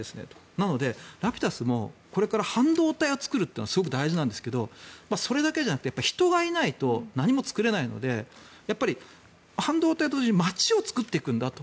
なので、ラピダスもこれから半導体を作るのはすごく大事なんですけどそれだけじゃなくて人がいないと何も作れないのでやっぱり半導体だけじゃなくて街を作っていくんだと。